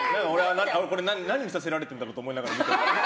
何、見させられてるんだろうと思って。